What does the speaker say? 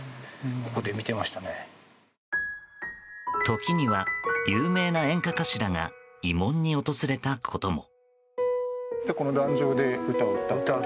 時には有名な演歌歌手らが慰問に訪れたことも。